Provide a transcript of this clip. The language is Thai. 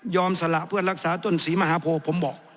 สละเพื่อรักษาต้นศรีมหาโพผมบอก